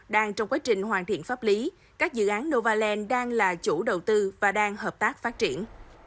đang trong quá trình hoàn thiện pháp lý các dự án novaland đang là chủ đầu tư và đang hợp tác phát triển